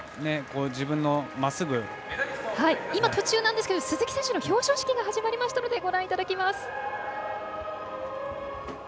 途中ですが今、鈴木選手の表彰式が始まりましたのでご覧いただきます。